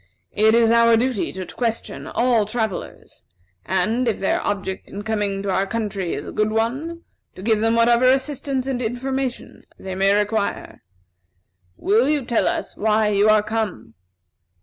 It is our duty to question all travellers, and, if their object in coming to our country is a good one, to give them whatever assistance and information they may require. Will you tell us why you are come?"